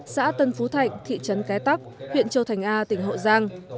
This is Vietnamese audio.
xã tân phú thạnh thị trấn cái tắc huyện châu thành a tỉnh hậu giang